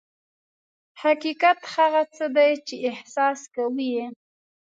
حقیقت هغه څه دي چې احساس کوو یې.